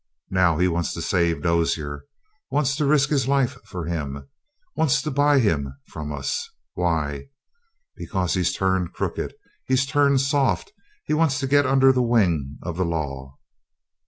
Now he wants to save Dozier. Wants to risk his life for him. Wants to buy him from us! Why? Because he's turned crooked. He's turned soft. He wants to get under the wing of the law."